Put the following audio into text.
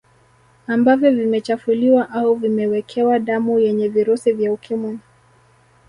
Ambavyo vimechafuliwa au vimewekewa damu yenye virusi vya Ukimwi